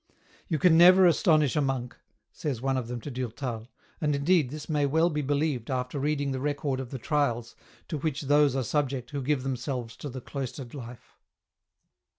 " You can never astonish a monk," says one of them to Durtal, and indeed this may well be believed after reading the record of the trials to which those are subject who give themselves to the cloistered life.